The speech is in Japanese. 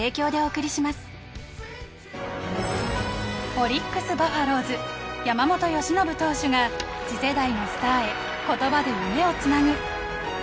オリックス・バファローズ山本由伸投手が次世代のスターへ言葉で夢を繋ぐ。